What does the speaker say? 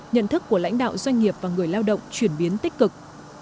nhận thức của lãnh đạo doanh nghiệp và người lao động chuyển biến tích cực